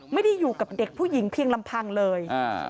ไม่ได้อยู่กับเด็กผู้หญิงเพียงลำพังเลย